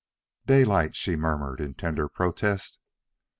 "Daylight," she murmured, in tender protest.